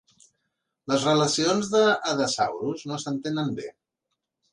Les relacions de "Adasaurus" no s'entenen bé.